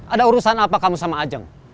ada urusan apa kamu sama ajeng